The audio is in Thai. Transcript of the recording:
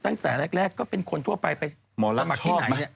ตั้งแต่แรกก็เป็นคนทั่วไปไปสมัครที่ไหน